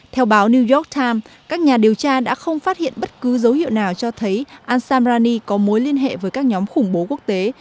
theo báo new york times các nhà điều tra đã không phát hiện bất cứ dấu hiệu nào cho thấy ansamrani có mối liên hệ với các nhóm khủng bố quốc tế